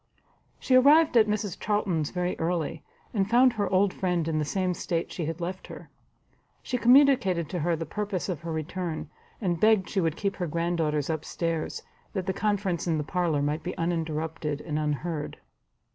She arrived at Mrs Charlton's very early, and found her old friend in the same state she had left her. She communicated to her the purpose of her return, and begged she would keep her granddaughters up stairs, that the conference in the parlour might be uninterrupted and unheard.